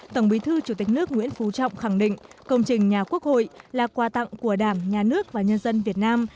tổng bí thư nguyễn phú trọng khẳng định công trình nhà quốc hội là qua tặng của đảng nhà nước và nhân dân việt nam